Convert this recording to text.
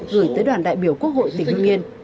gửi tới đoàn đại biểu quốc hội tỉnh nguyên